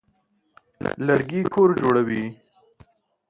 لرګي کور جوړوي.